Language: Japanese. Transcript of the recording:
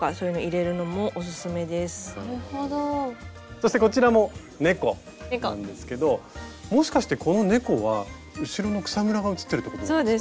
そしてこちらも猫なんですけどもしかしてこの猫は後ろの草むらがうつってるってことなんですか？